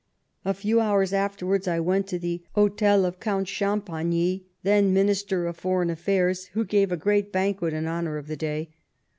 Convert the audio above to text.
A few hours afterwards I went to the hotel of Count Cham pagny, then Minister of Foreign Affairs, who gave a great banquet in honour of the day.